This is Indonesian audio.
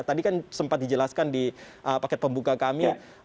tadi kan sempat dijelaskan di paket pembuka kami